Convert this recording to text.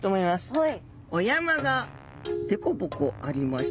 はい。